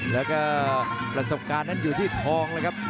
แล้วก็ประสบการณ์นั้นอยู่ที่ทองเลยครับ